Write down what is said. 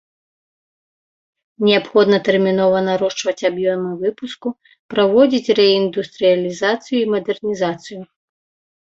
Неабходна тэрмінова нарошчваць аб'ёмы выпуску, праводзіць рэіндустрыялізацыю і мадэрнізацыю.